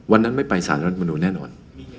วันนั้นไม่ไปสารรัฐมนุนแน่นอน